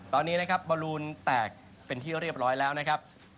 ตอนนี้นะครับบอลลูนแตกเป็นที่เรียบร้อยแล้วนะครับ